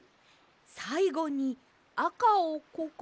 さいごにあかをここに。